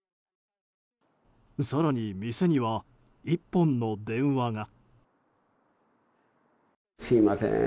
更に、店には１本の電話が。